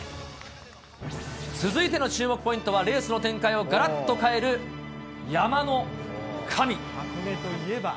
続いての注目ポイントは、レースの展開をがらっと変える山の神。